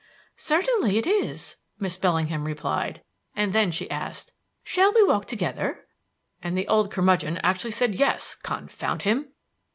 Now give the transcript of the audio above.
"Certainly it is," Miss Bellingham replied; and then she asked: "Shall we walk together?" and the old curmudgeon actually said "yes" confound him!